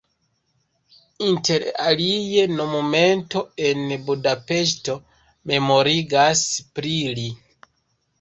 Inter alie monumento en Budapeŝto memorigas pri li.